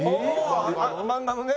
漫画のね。